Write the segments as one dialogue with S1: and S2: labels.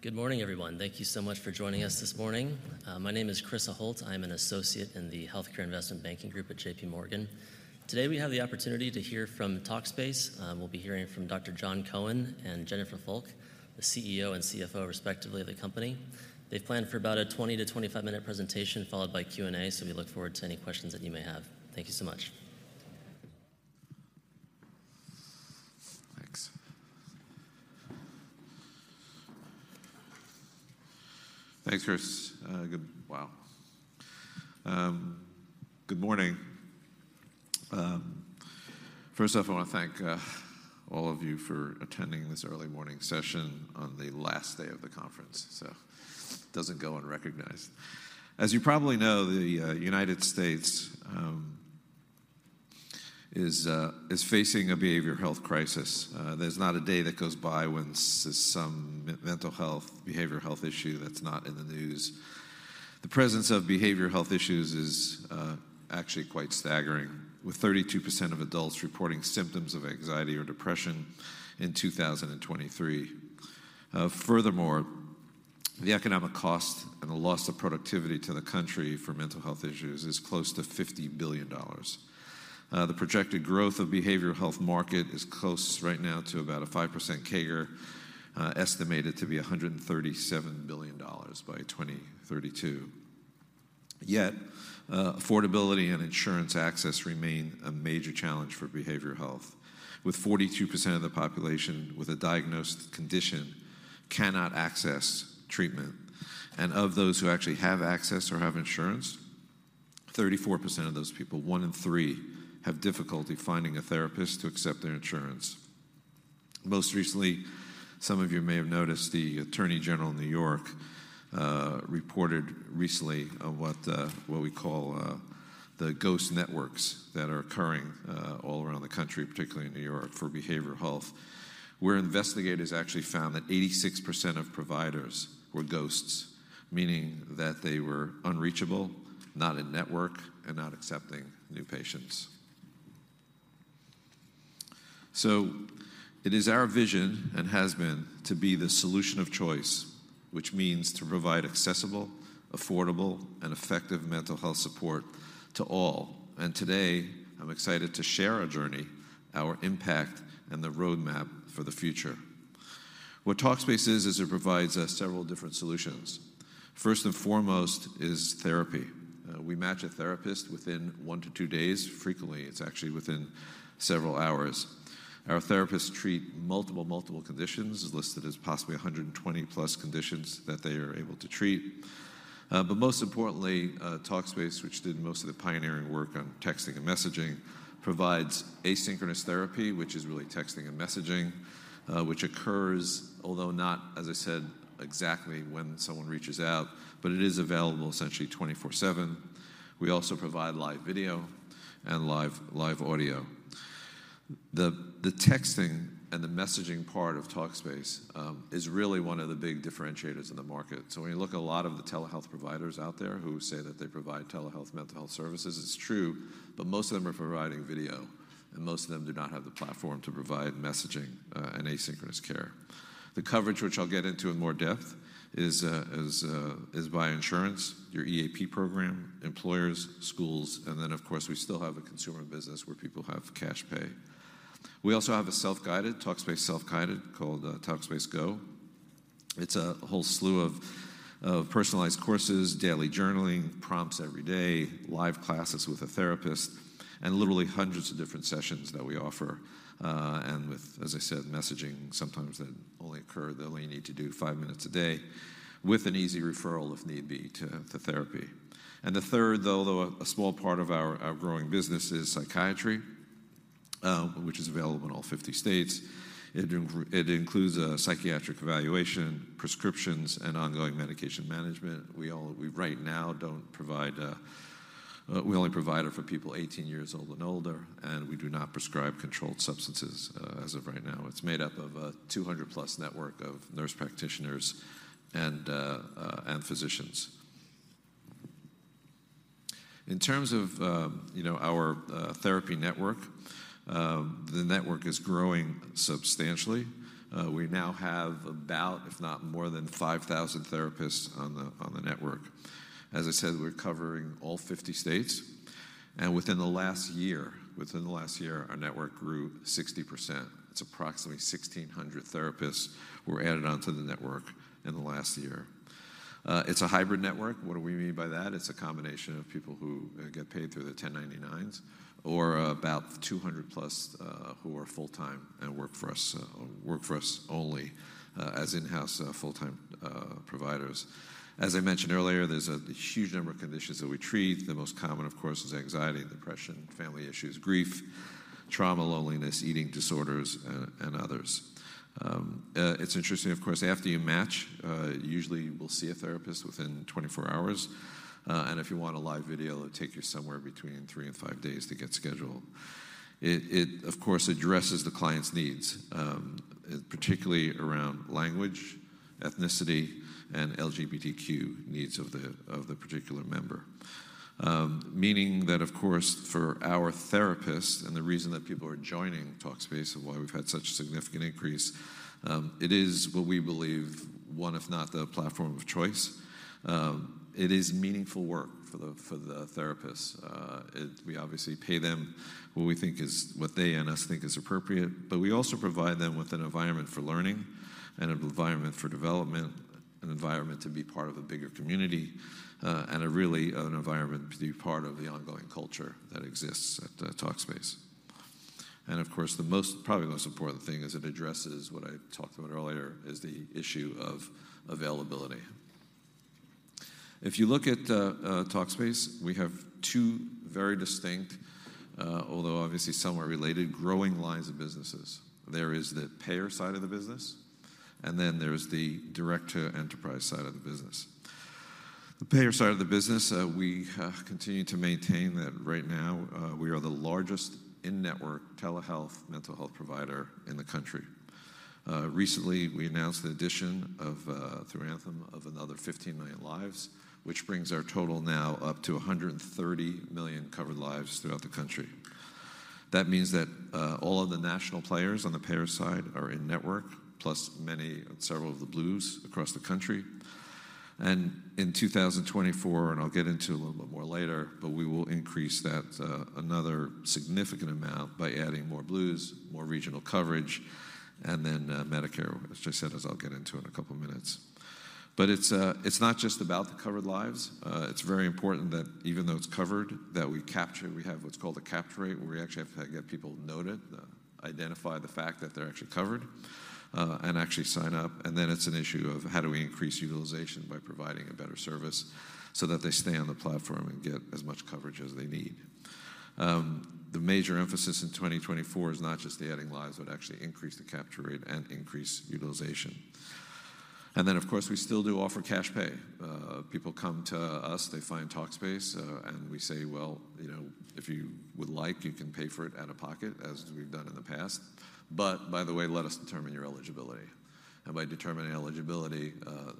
S1: Good morning, everyone. Thank you so much for joining us this morning. My name is Chris Aholt. I'm an associate in the Healthcare Investment Banking group at J.P. Morgan. Today, we have the opportunity to hear from Talkspace. We'll be hearing from Dr. Jon Cohen and Jennifer Fulk, the CEO and CFO, respectively, of the company. They've planned for about a 20-25-minute presentation, followed by Q&A, so we look forward to any questions that you may have. Thank you so much.
S2: Thanks. Thanks, Chris. Wow! Good morning. First off, I wanna thank all of you for attending this early morning session on the last day of the conference, so doesn't go unrecognized. As you probably know, the United States is facing a behavioral health crisis. There's not a day that goes by when some mental health, behavioral health issue that's not in the news. The presence of behavioral health issues is actually quite staggering, with 32% of adults reporting symptoms of anxiety or depression in 2023. Furthermore, the economic cost and the loss of productivity to the country for mental health issues is close to $50 billion. The projected growth of behavioral health market is close right now to about a 5% CAGR, estimated to be $137 billion by 2032. Yet, affordability and insurance access remain a major challenge for behavioral health, with 42% of the population with a diagnosed condition cannot access treatment. And of those who actually have access or have insurance, 34% of those people, one in three, have difficulty finding a therapist to accept their insurance. Most recently, some of you may have noticed the New York Attorney General reported recently on what we call the ghost networks that are occurring all around the country, particularly in New York, for behavioral health, where investigators actually found that 86% of providers were ghosts, meaning that they were unreachable, not in-network, and not accepting new patients. It is our vision, and has been, to be the solution of choice, which means to provide accessible, affordable, and effective mental health support to all. Today, I'm excited to share our journey, our impact, and the roadmap for the future. What Talkspace is, it provides several different solutions. First and foremost is therapy. We match a therapist within one to two days. Frequently, it's actually within several hours. Our therapists treat multiple conditions, listed as possibly 120+ conditions that they are able to treat. But most importantly, Talkspace, which did most of the pioneering work on texting and messaging, provides asynchronous therapy, which is really texting and messaging, which occurs, although not, as I said, exactly when someone reaches out, but it is available essentially 24/7. We also provide live video and live audio. The texting and the messaging part of Talkspace is really one of the big differentiators in the market. So when you look at a lot of the telehealth providers out there who say that they provide telehealth mental health services, it's true, but most of them are providing video, and most of them do not have the platform to provide messaging and asynchronous care. The coverage, which I'll get into in more depth, is by insurance, your EAP program, employers, schools, and then, of course, we still have a consumer business where people have cash pay. We also have a self-guided, Talkspace self-guided called Talkspace Go. It's a whole slew of personalized courses, daily journaling, prompts every day, live classes with a therapist, and literally hundreds of different sessions that we offer. And with, as I said, messaging, sometimes that only need to do five minutes a day with an easy referral, if need be, to therapy. And the third, though a small part of our growing business, is psychiatry, which is available in all 50 states. It includes psychiatric evaluation, prescriptions, and ongoing medication management. We right now don't provide, we only provide it for people 18 years old and older, and we do not prescribe controlled substances, as of right now. It's made up of a 200+ network of nurse practitioners and physicians. In terms of, you know, our therapy network, the network is growing substantially. We now have about, if not more than 5,000 therapists on the network. As I said, we're covering all 50 states, and within the last year, within the last year, our network grew 60%. It's approximately 1,600 therapists were added onto the network in the last year. It's a hybrid network. What do we mean by that? It's a combination of people who get paid through the 1099s or about 200+, who are full-time and work for us, work for us only, as in-house, full-time providers. As I mentioned earlier, there's a huge number of conditions that we treat. The most common, of course, is anxiety, depression, family issues, grief, trauma, loneliness, eating disorders, and others. It's interesting, of course, after you match, usually you will see a therapist within 24 hours, and if you want a live video, it'll take you somewhere between three and five days to get scheduled. It, of course, addresses the client's needs, particularly around language, ethnicity, and LGBTQ needs of the particular member. Meaning that, of course, for our therapists, and the reason that people are joining Talkspace and why we've had such a significant increase, it is what we believe, one, if not the platform of choice. It is meaningful work for the therapists. We obviously pay them what we think is, what they and us think is appropriate, but we also provide them with an environment for learning and an environment for development, an environment to be part of a bigger community, and a really, an environment to be part of the ongoing culture that exists at Talkspace. And of course, the most, probably the most important thing is it addresses what I talked about earlier, is the issue of availability. If you look at Talkspace, we have two very distinct, although obviously somewhat related, growing lines of businesses. There is the payer side of the business, and then there's the direct-to-enterprise side of the business. The payer side of the business, we continue to maintain that right now, we are the largest in-network telehealth mental health provider in the country. Recently, we announced the addition of, through Anthem, another 15 million lives, which brings our total now up to 130 million covered lives throughout the country. That means that all of the national players on the payer side are in-network, plus many, several of the Blues across the country. And in 2024, and I'll get into it a little bit more later, but we will increase that another significant amount by adding more Blues, more regional coverage, and then Medicare, which I said as I'll get into in a couple of minutes. But it's not just about the covered lives. It's very important that even though it's covered, that we capture... We have what's called a capture rate, where we actually have to get people noted, identify the fact that they're actually covered, and actually sign up. And then it's an issue of how do we increase utilization by providing a better service so that they stay on the platform and get as much coverage as they need. The major emphasis in 2024 is not just the adding lives, but actually increase the capture rate and increase utilization. And then, of course, we still do offer cash pay. People come to us, they find Talkspace, and we say, "Well, you know, if you would like, you can pay for it out of pocket, as we've done in the past. But by the way, let us determine your eligibility." And by determining eligibility,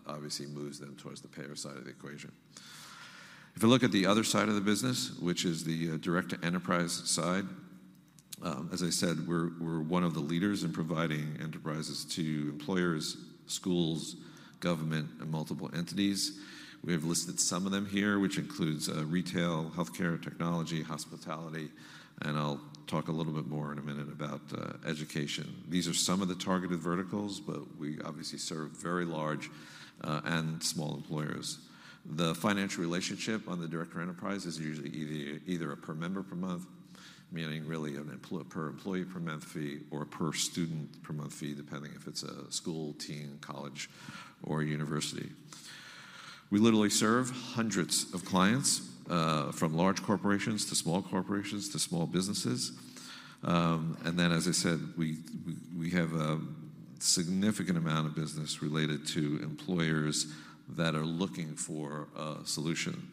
S2: obviously moves them towards the payer side of the equation. If you look at the other side of the business, which is the Direct-to-Enterprise side, as I said, we're one of the leaders in providing enterprises to employers, schools, government, and multiple entities. We have listed some of them here, which includes retail, healthcare, technology, hospitality, and I'll talk a little bit more in a minute about education. These are some of the targeted verticals, but we obviously serve very large and small employers. The financial relationship on the Direct-to-Enterprise is usually either a per member per month, meaning really a per employee per month fee or a per student per month fee, depending if it's a school, teen, college, or a university. We literally serve hundreds of clients from large corporations to small corporations to small businesses. And then, as I said, we have a significant amount of business related to employers that are looking for a solution.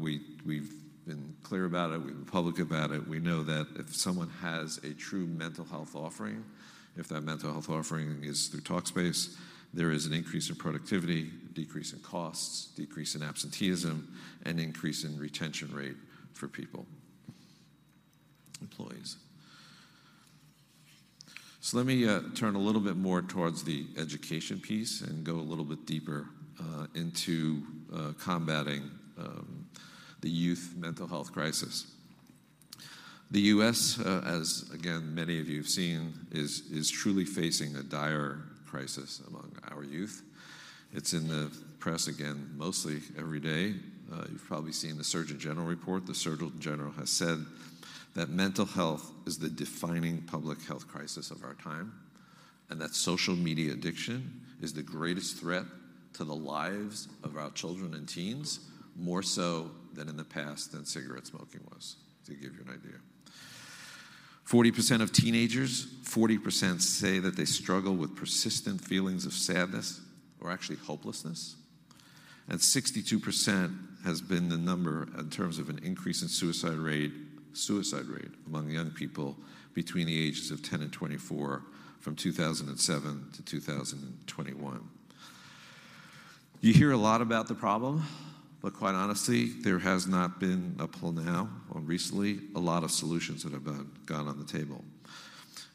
S2: We, we've been clear about it, we've been public about it. We know that if someone has a true mental health offering, if that mental health offering is through Talkspace, there is an increase in productivity, decrease in costs, decrease in absenteeism, and increase in retention rate for people, employees. So let me turn a little bit more towards the education piece and go a little bit deeper into combating the youth mental health crisis. The U.S., as again, many of you have seen, is truly facing a dire crisis among our youth. It's in the press again, mostly every day. You've probably seen the Surgeon General report. The Surgeon General has said that mental health is the defining public health crisis of our time, and that social media addiction is the greatest threat to the lives of our children and teens, more so than in the past than cigarette smoking was, to give you an idea. 40% of teenagers, 40% say that they struggle with persistent feelings of sadness or actually hopelessness, and 62% has been the number in terms of an increase in suicide rate, suicide rate among young people between the ages of 10 and 24, from 2007 to 2021. You hear a lot about the problem, but quite honestly, there has not been, up till now or recently, a lot of solutions that have, gone on the table.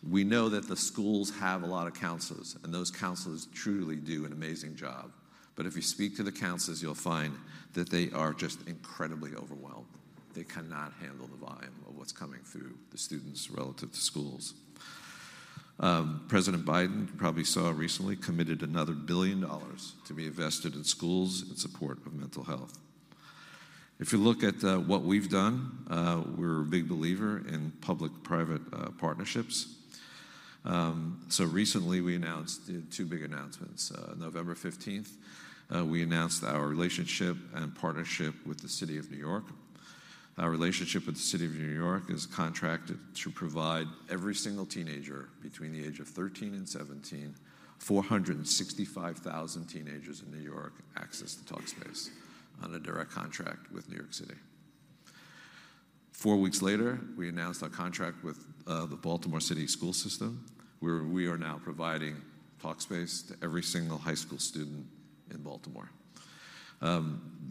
S2: We know that the schools have a lot of counselors, and those counselors truly do an amazing job. But if you speak to the counselors, you'll find that they are just incredibly overwhelmed. They cannot handle the volume of what's coming through the students relative to schools. President Biden, you probably saw recently, committed another $1 billion to be invested in schools in support of mental health. If you look at what we've done, we're a big believer in public-private partnerships. So recently, we announced two big announcements. November fifteenth, we announced our relationship and partnership with the City of New York. Our relationship with the City of New York is contracted to provide every single teenager between the age of 13 and 17, 465,000 teenagers in New York, access to Talkspace on a direct contract with New York City. Four weeks later, we announced a contract with the Baltimore City School System, where we are now providing Talkspace to every single high school student in Baltimore.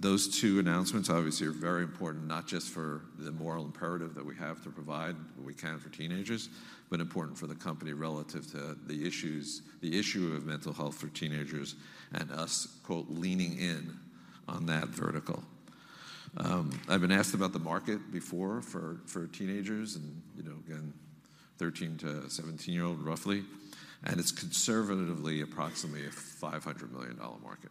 S2: Those two announcements obviously are very important, not just for the moral imperative that we have to provide what we can for teenagers, but important for the company relative to the issues, the issue of mental health for teenagers and us, quote, "leaning in" on that vertical. I've been asked about the market before for teenagers and, you know, again, 13 to 17 year old roughly, and it's conservatively approximately a $500 million market.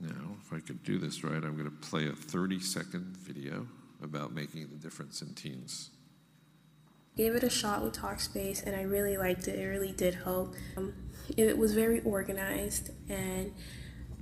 S2: Now, if I could do this right, I'm gonna play a 30-second video about making a difference in teens.
S3: I gave it a shot with Talkspace, and I really liked it. It really did help. It was very organized and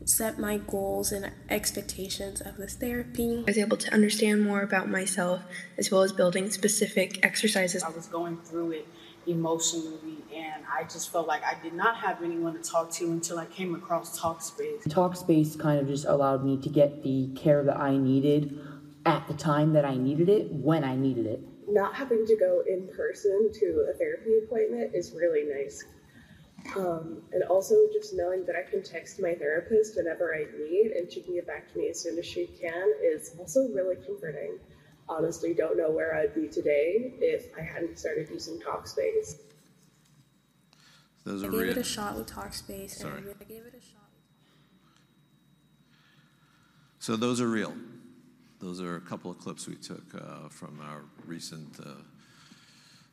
S3: set my goals and expectations of this therapy. I was able to understand more about myself, as well as building specific exercises. I was going through it emotionally, and I just felt like I did not have anyone to talk to until I came across Talkspace. Talkspace kind of just allowed me to get the care that I needed at the time that I needed it, when I needed it. Not having to go in person to a therapy appointment is really nice. And also just knowing that I can text my therapist whenever I need, and she can get back to me as soon as she can, is also really comforting. Honestly don't know where I'd be today if I hadn't started using Talkspace.
S2: Those are real-
S3: I gave it a shot with Talkspace.
S2: Sorry.
S3: I gave it a shot with-
S2: So those are real. Those are a couple of clips we took from our recent,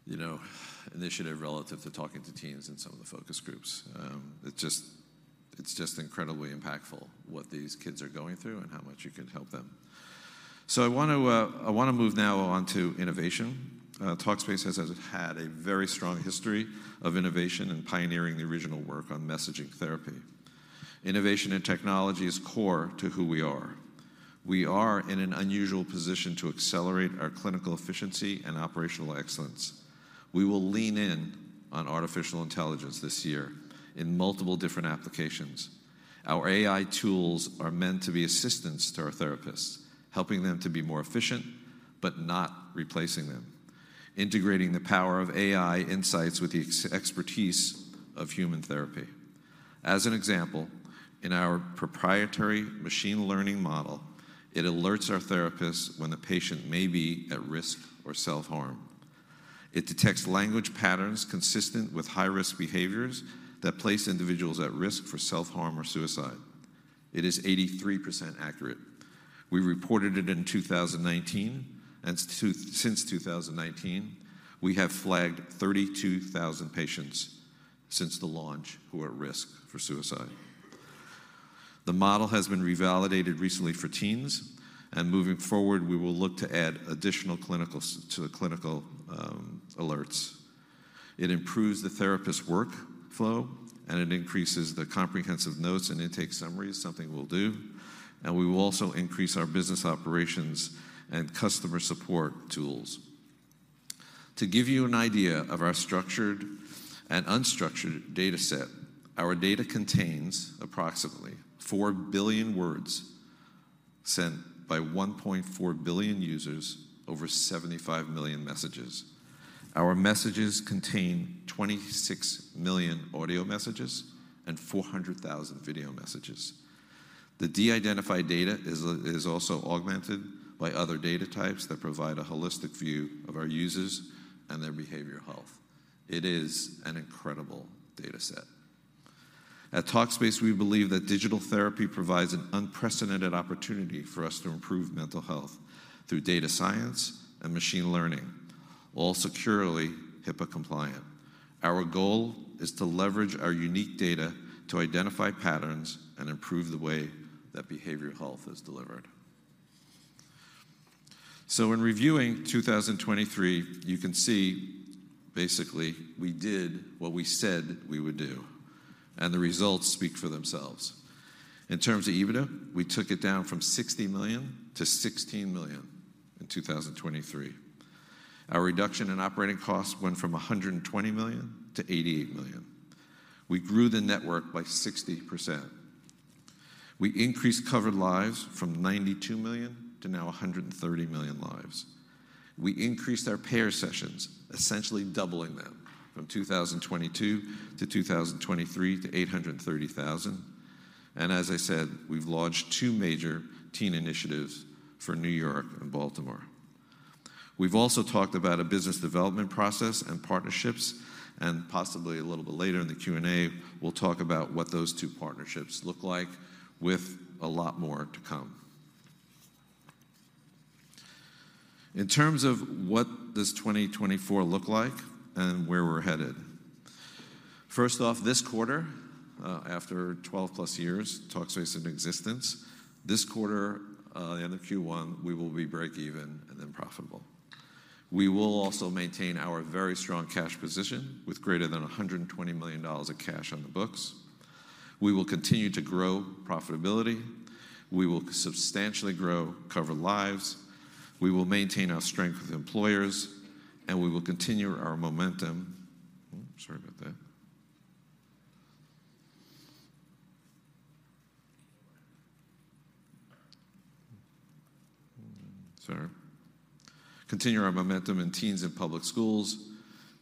S2: you know, initiative relative to talking to teens in some of the focus groups. It just, it's just incredibly impactful what these kids are going through and how much you can help them. So I want to, I wanna move now on to innovation. Talkspace has, has had a very strong history of innovation and pioneering the original work on messaging therapy. Innovation and technology is core to who we are. We are in an unusual position to accelerate our clinical efficiency and operational excellence. We will lean in on artificial intelligence this year in multiple different applications. Our AI tools are meant to be assistance to our therapists, helping them to be more efficient, but not replacing them, integrating the power of AI insights with the expertise of human therapy. As an example, in our proprietary machine learning model, it alerts our therapists when the patient may be at risk for self-harm. It detects language patterns consistent with high-risk behaviors that place individuals at risk for self-harm or suicide. It is 83% accurate. We reported it in 2019, and since 2019, we have flagged 32,000 patients since the launch, who are at risk for suicide. The model has been revalidated recently for teens, and moving forward, we will look to add additional clinical to the clinical alerts. It improves the therapist's workflow, and it increases the comprehensive notes and intake summaries, something we'll do, and we will also increase our business operations and customer support tools. To give you an idea of our structured and unstructured data set, our data contains approximately 4 billion words sent by 1.4 billion users over 75 million messages. Our messages contain 26 million audio messages and 400,000 video messages. The de-identified data is also augmented by other data types that provide a holistic view of our users and their behavioral health. It is an incredible data set. At Talkspace, we believe that digital therapy provides an unprecedented opportunity for us to improve mental health through data science and machine learning, all securely HIPAA-compliant. Our goal is to leverage our unique data to identify patterns and improve the way that behavioral health is delivered. So in reviewing 2023, you can see basically we did what we said we would do, and the results speak for themselves. In terms of EBITDA, we took it down from $60 million-$16 million in 2023. Our reduction in operating costs went from $120 million-$88 million. We grew the network by 60%. We increased covered lives from 92 million to now 130 million lives. We increased our payer sessions, essentially doubling them from 2022 to 2023 to 830,000. And as I said, we've launched two major teen initiatives for New York and Baltimore. We've also talked about a business development process and partnerships, and possibly a little bit later in the Q&A, we'll talk about what those two partnerships look like, with a lot more to come. In terms of what 2024 looks like and where we're headed: First off, this quarter, after 12+ years, Talkspace in existence, this quarter, in the Q1, we will be break even and then profitable. We will also maintain our very strong cash position with greater than $120 million of cash on the books. We will continue to grow profitability, we will substantially grow covered lives, we will maintain our strength with employers, and we will continue our momentum... Sorry about that.... Sir. Continue our momentum in teens in public schools.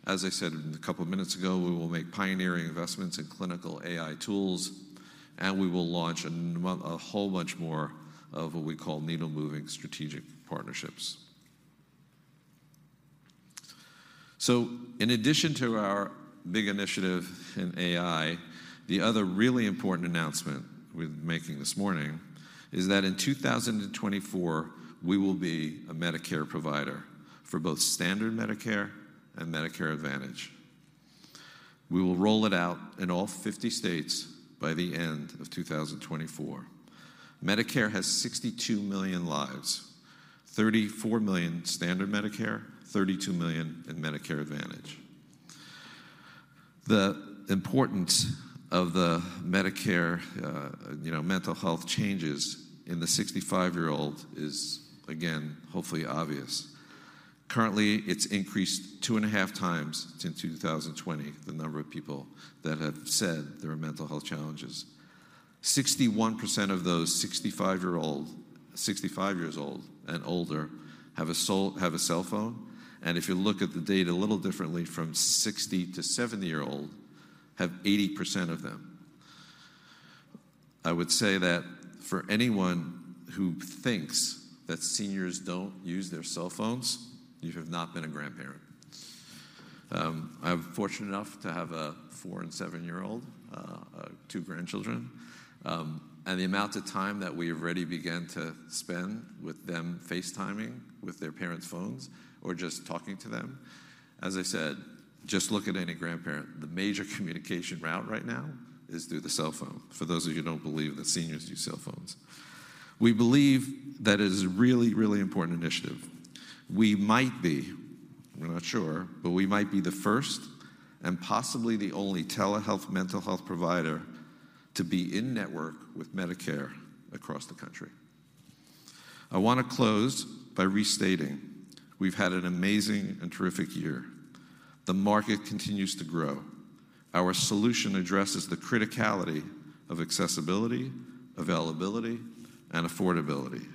S2: As I said a couple of minutes ago, we will make pioneering investments in clinical AI tools, and we will launch a whole bunch more of what we call needle-moving strategic partnerships. So in addition to our big initiative in AI, the other really important announcement we're making this morning is that in 2024, we will be a Medicare provider for both standard Medicare and Medicare Advantage. We will roll it out in all 50 states by the end of 2024. Medicare has 62 million lives: 34 million standard Medicare, 32 million in Medicare Advantage. The importance of the Medicare, you know, mental health changes in the 65-year-old is, again, hopefully obvious. Currently, it's increased 2.5 times since 2020, the number of people that have said there are mental health challenges. 61% of those 65 years old and older have a cell phone, and if you look at the data a little differently, from 60 to 70 year old, have 80% of them. I would say that for anyone who thinks that seniors don't use their cell phones, you have not been a grandparent. I'm fortunate enough to have a four and seven year old, two grandchildren, and the amount of time that we've already began to spend with them FaceTiming with their parents' phones or just talking to them, as I said, just look at any grandparent. The major communication route right now is through the cell phone, for those of you who don't believe that seniors use cell phones. We believe that is a really, really important initiative. We might be, we're not sure, but we might be the first and possibly the only telehealth mental health provider to be in-network with Medicare across the country. I wanna close by restating, we've had an amazing and terrific year. The market continues to grow. Our solution addresses the criticality of accessibility, availability, and affordability.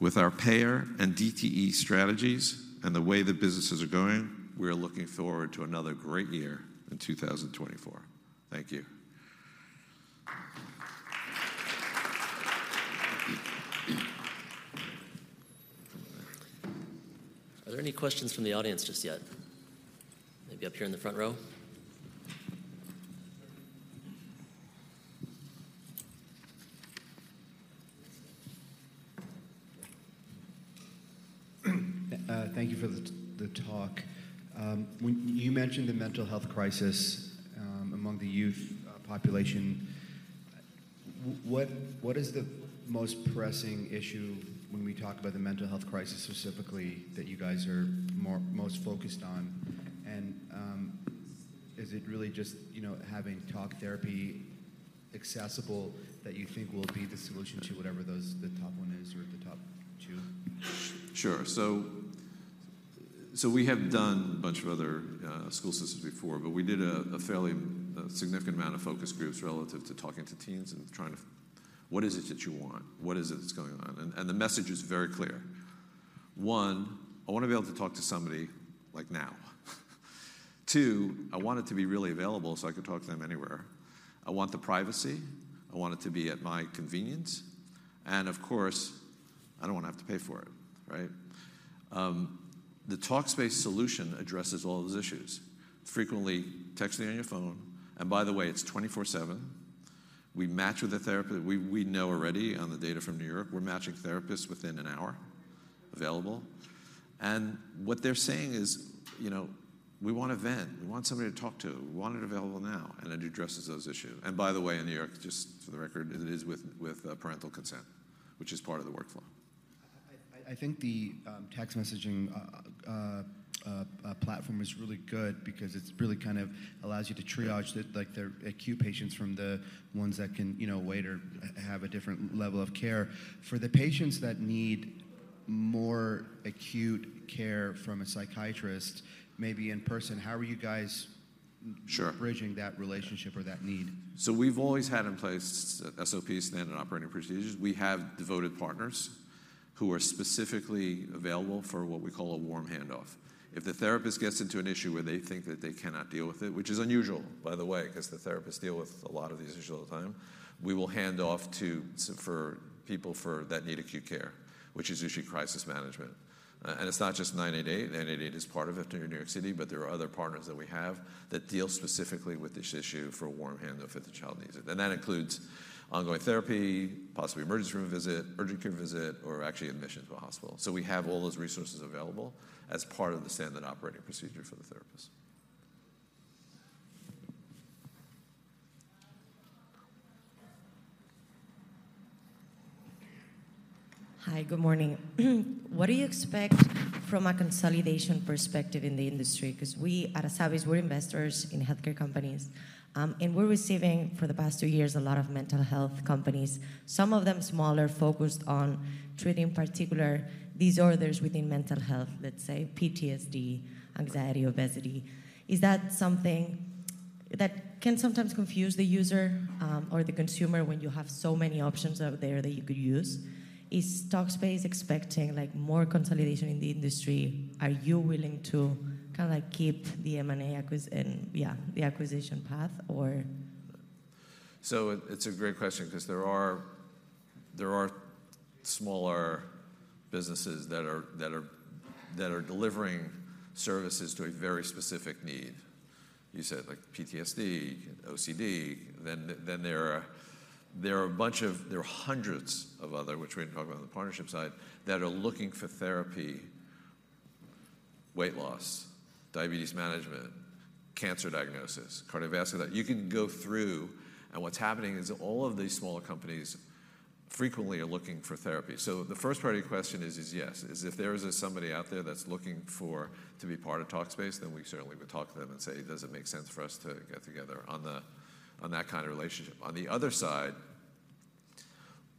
S2: With our payer and DTE strategies and the way the businesses are going, we are looking forward to another great year in 2024. Thank you.
S1: Are there any questions from the audience just yet? Maybe up here in the front row.
S4: Thank you for the talk. When you mentioned the mental health crisis among the youth population. What is the most pressing issue when we talk about the mental health crisis, specifically, that you guys are most focused on? Is it really just, you know, having talk therapy accessible that you think will be the solution to whatever those the top one is or the top two?
S2: Sure. So, so we have done a bunch of other school systems before, but we did a fairly significant amount of focus groups relative to talking to teens and trying to... What is it that you want? What is it that's going on? And the message is very clear. One, I wanna be able to talk to somebody, like, now. Two, I want it to be really available, so I can talk to them anywhere. I want the privacy, I want it to be at my convenience, and of course, I don't wanna have to pay for it, right? The Talkspace solution addresses all those issues. Frequently, texting on your phone, and by the way, it's 24/7. We match with a therapist. We know already on the data from New York, we're matching therapists within an hour, available. What they're saying is, you know, "We want to vent. We want somebody to talk to. We want it available now," and it addresses those issues. And by the way, in New York, just for the record, it is with parental consent, which is part of the workflow.
S4: I think the text messaging platform is really good because it's really kind of allows you to triage-
S2: Yeah...
S4: the acute patients from the ones that can, you know, wait or have a different level of care. For the patients that need more acute care from a psychiatrist, maybe in person, how are you guys?
S2: Sure...
S4: bridging that relationship or that need?
S2: So we've always had in place SOP, standard operating procedures. We have devoted partners who are specifically available for what we call a warm handoff. If the therapist gets into an issue where they think that they cannot deal with it, which is unusual, by the way, 'cause the therapists deal with a lot of these issues all the time, we will hand off to partners for people that need acute care, which is usually crisis management. And it's not just 988. 988 is part of it in New York City, but there are other partners that we have that deal specifically with this issue for a warm handoff if the child needs it. And that includes ongoing therapy, possibly emergency room visit, urgent care visit, or actually admission to a hospital. We have all those resources available as part of the standard operating procedure for the therapist.
S5: Hi, good morning. What do you expect from a consolidation perspective in the industry? 'Cause we at Asabys, we're investors in healthcare companies, and we're receiving, for the past two years, a lot of mental health companies, some of them smaller, focused on treating particular disorders within mental health, let's say PTSD, anxiety, obesity. Is that something that can sometimes confuse the user, or the consumer when you have so many options out there that you could use. Is Talkspace expecting, like, more consolidation in the industry? Are you willing to kinda, like, keep the M&A acquisition and, yeah, the acquisition path, or?
S2: So, it's a great question, 'cause there are smaller businesses that are delivering services to a very specific need. You said, like PTSD, OCD. Then there are a bunch of, there are hundreds of other, which we're gonna talk about on the partnership side, that are looking for therapy: weight loss, diabetes management, cancer diagnosis, cardiovascular. You can go through, and what's happening is all of these smaller companies frequently are looking for therapy. So the first part of your question is yes, if there is somebody out there that's looking to be part of Talkspace, then we certainly would talk to them and say: Does it make sense for us to get together on that kind of relationship? On the other side,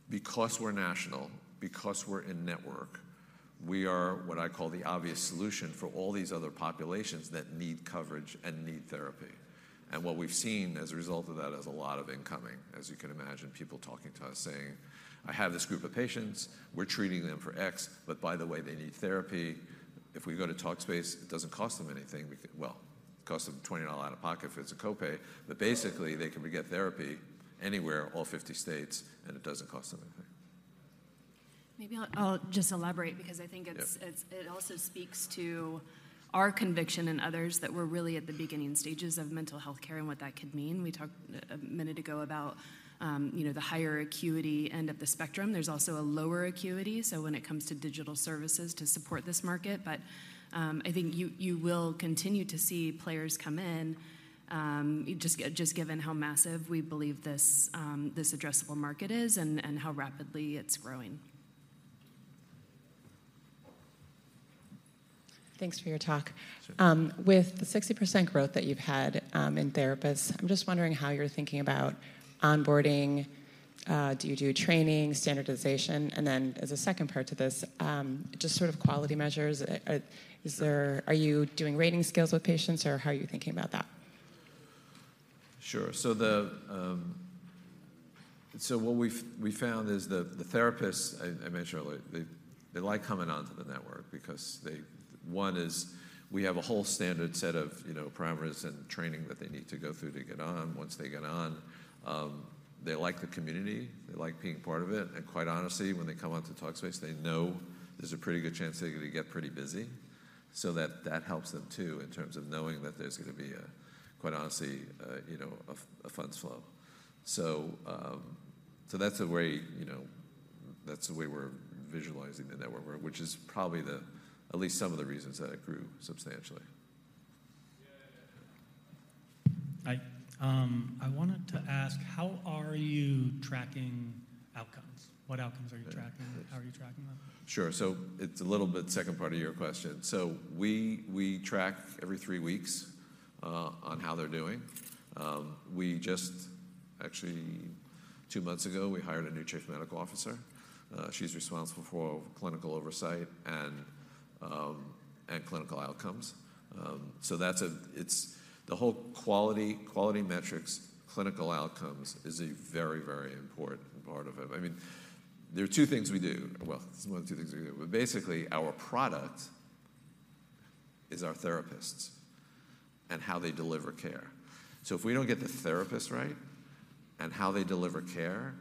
S2: because we're national, because we're in-network, we are what I call the obvious solution for all these other populations that need coverage and need therapy. And what we've seen as a result of that is a lot of incoming, as you can imagine, people talking to us saying, "I have this group of patients. We're treating them for X, but by the way, they need therapy." If we go to Talkspace, it doesn't cost them anything. Well, it costs them $20 out of pocket if it's a copay, but basically, they can get therapy anywhere, all 50 states, and it doesn't cost them anything.
S6: Maybe I'll just elaborate, because I think it's-
S2: Yeah...
S6: it's, it also speaks to our conviction and others that we're really at the beginning stages of mental health care and what that could mean. We talked a minute ago about, you know, the higher acuity end of the spectrum. There's also a lower acuity, so when it comes to digital services to support this market. But I think you will continue to see players come in, just given how massive we believe this addressable market is and how rapidly it's growing.
S5: Thanks for your talk.
S2: Sure.
S5: With the 60% growth that you've had in therapists, I'm just wondering how you're thinking about onboarding. Do you do training, standardization? And then as a second part to this, just sort of quality measures. Are you doing rating scales with patients, or how are you thinking about that?
S2: Sure. So what we found is the therapists I mentioned earlier they like coming onto the network because they— One is we have a whole standard set of, you know, parameters and training that they need to go through to get on. Once they get on, they like the community, they like being part of it, and quite honestly, when they come onto Talkspace, they know there's a pretty good chance they're gonna get pretty busy. So that helps them, too, in terms of knowing that there's gonna be a, quite honestly, a, you know, a funds flow. So that's the way, you know, that's the way we're visualizing the network work, which is probably the, at least some of the reasons that it grew substantially.
S7: Hi. I wanted to ask, how are you tracking outcomes? What outcomes are you tracking?
S2: Yeah.
S7: How are you tracking them?
S2: Sure. So it's a little bit second part of your question. So we track every three weeks on how they're doing. Actually, two months ago, we hired a new Chief Medical Officer. She's responsible for clinical oversight and clinical outcomes. So that's a. It's the whole quality, quality metrics, clinical outcomes is a very, very important part of it. I mean, there are two things we do. Well, it's one of two things we do, but basically, our product is our therapists and how they deliver care. So if we don't get the therapists right and how they deliver care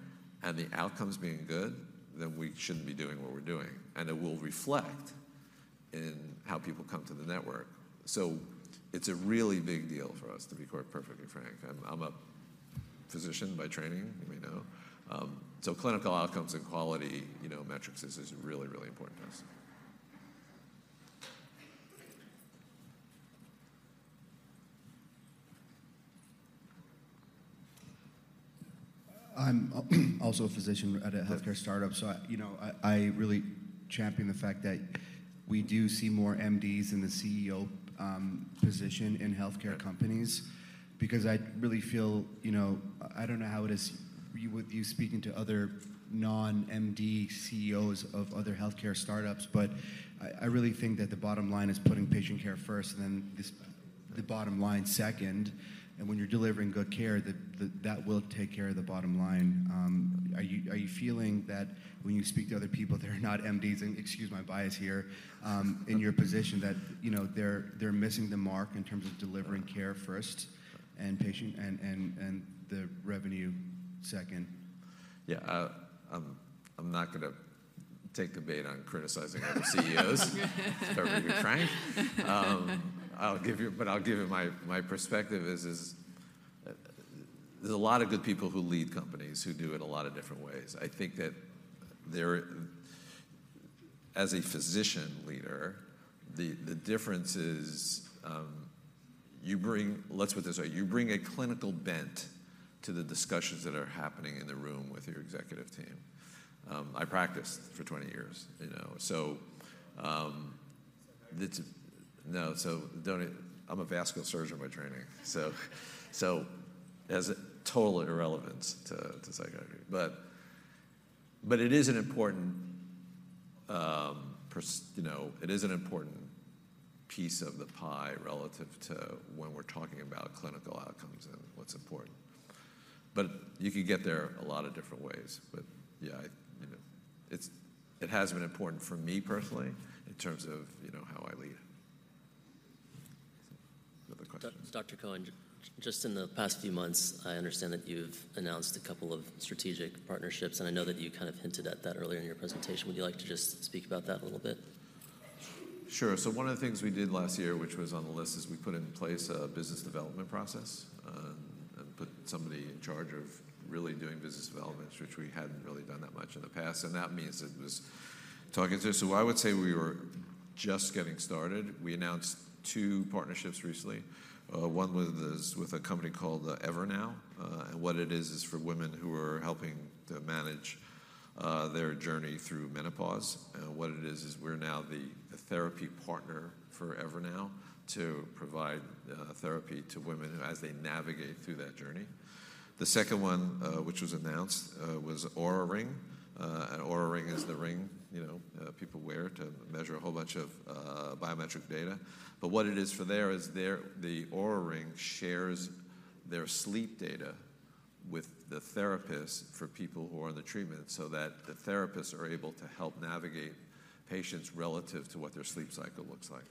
S2: and the outcomes being good, then we shouldn't be doing what we're doing, and it will reflect in how people come to the network. So it's a really big deal for us, to be quite perfectly frank. I'm a physician by training, you may know. So clinical outcomes and quality, you know, metrics is really, really important to us.
S4: I'm also a physician at a healthcare-
S2: Yeah...
S4: startup, so I, you know, I, I really champion the fact that we do see more MDs in the CEO position in healthcare companies. Because I really feel, you know, I don't know how it is with you speaking to other non-MD CEOs of other healthcare startups, but I, I really think that the bottom line is putting patient care first and then that will take care of the bottom line. Are you feeling that when you speak to other people that are not MDs, and excuse my bias here, in your position, that, you know, they're missing the mark in terms of delivering care first and patient care and the revenue second?
S2: Yeah, I'm not gonna take the bait on criticizing other CEOs to be perfectly frank. But I'll give you my perspective is there's a lot of good people who lead companies who do it a lot of different ways. I think that as a physician leader, the difference is, let's put it this way: You bring a clinical bent to the discussions that are happening in the room with your executive team. I practiced for 20 years, you know, so the-
S4: So psychiatry?
S2: No, so don't... I'm a vascular surgeon by training, so, so it has a total irrelevance to, to psychiatry. But but it is an important, you know, it is an important piece of the pie relative to when we're talking about clinical outcomes and what's important. But you could get there a lot of different ways. But yeah, I, you know, it's, it has been important for me personally in terms of, you know, how I lead. Another question?
S1: Dr. Cohen, just in the past few months, I understand that you've announced a couple of strategic partnerships, and I know that you kind of hinted at that earlier in your presentation. Would you like to just speak about that a little bit?
S2: Sure. So one of the things we did last year, which was on the list, is we put in place a business development process, and put somebody in charge of really doing business development, which we hadn't really done that much in the past, and that means it was talking to... So I would say we were just getting started. We announced two partnerships recently, one with this, with a company called Evernow. And what it is, is for women who are helping to manage their journey through menopause. And what it is, is we're now the therapy partner for Evernow to provide therapy to women who as they navigate through that journey. The second one, which was announced, was Oura Ring. And Oura Ring is the ring, you know, people wear to measure a whole bunch of biometric data. But what it is for there is their the Oura Ring shares their sleep data with the therapist for people who are on the treatment, so that the therapists are able to help navigate patients relative to what their sleep cycle looks like.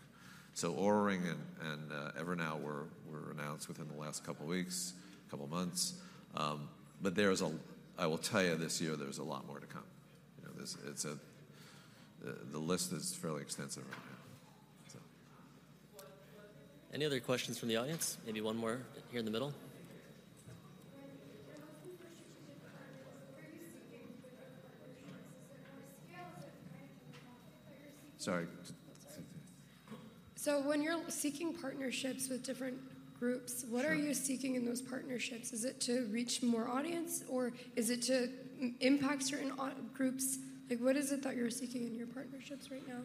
S2: So Oura Ring and Evernow were announced within the last couple weeks, couple of months. But there's a... I will tell you, this year, there's a lot more to come. You know, there's it's a, the list is fairly extensive right now, so.
S1: Any other questions from the audience? Maybe one more here in the middle.
S8: When you're looking for strategic partners, what are you seeking with the partnerships? Are there scales of impact that you're seeking-
S2: Sorry, just-
S8: That's all right. So when you're seeking partnerships with different groups-
S2: Sure.
S8: What are you seeking in those partnerships? Is it to reach more audience, or is it to impact certain audience groups? Like, what is it that you're seeking in your partnerships right now?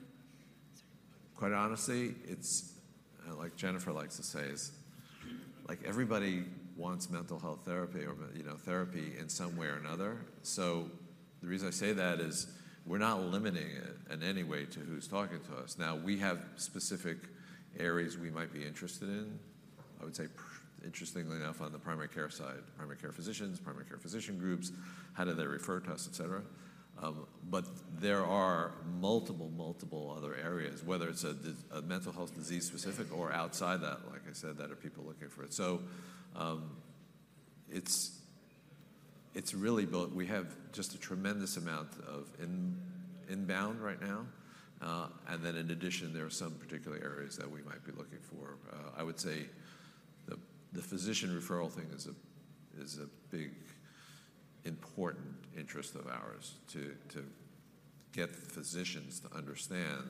S2: Quite honestly, it's like Jennifer likes to say, like, everybody wants mental health therapy or, you know, therapy in some way or another. So the reason I say that is we're not limiting it in any way to who's talking to us. Now, we have specific areas we might be interested in. I would say interestingly enough, on the primary care side, primary care physicians, primary care physician groups, how do they refer to us, et cetera. But there are multiple, multiple other areas, whether it's a mental health disease specific or outside that, like I said, that are people looking for it. So, it's really built... We have just a tremendous amount of inbound right now. And then in addition, there are some particular areas that we might be looking for. I would say the physician referral thing is a big, important interest of ours to get physicians to understand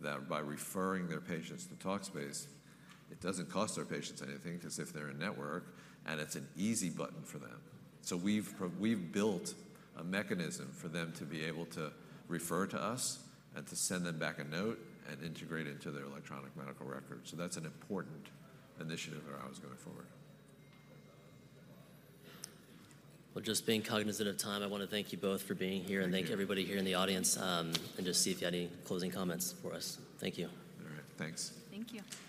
S2: that by referring their patients to Talkspace, it doesn't cost their patients anything 'cause if they're in-network, and it's an easy button for them. So we've built a mechanism for them to be able to refer to us and to send them back a note and integrate it into their electronic medical record. So that's an important initiative of ours going forward.
S1: Well, just being cognizant of time, I want to thank you both for being here-
S2: Thank you.
S1: And thank everybody here in the audience. And just see if you had any closing comments for us. Thank you.
S2: All right. Thanks.
S6: Thank you.